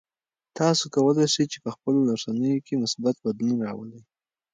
تاسو کولای شئ چې په خپلو رسنیو کې مثبت بدلون راولئ.